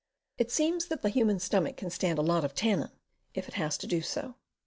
It seems that the human stomach can stand a lot of tannin, if it has to do so.